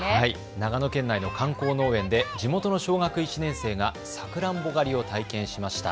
長野県内の観光農園で地元の小学１年生がサクランボ狩りを体験しました。